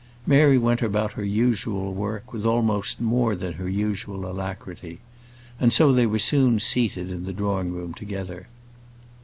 Mary went about her usual work with almost more than her usual alacrity, and so they were soon seated in the drawing room together.